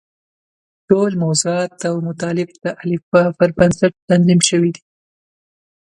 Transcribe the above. ټول موضوعات او مطالب د الفباء پر بنسټ تنظیم شوي دي.